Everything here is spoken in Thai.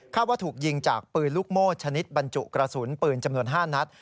ว่าถูกยิงจากปืนลูกโม่ชนิดบรรจุกระสุนปืนจำนวน๕นัด